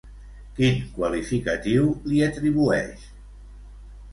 Quin qualificatiu li atribueix?